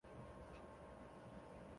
奖项会在决赛日前的夜祭作颁奖。